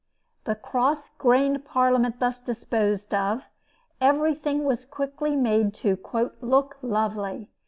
The cross grained Parliament thus disposed of, everything was quickly made to "look lovely."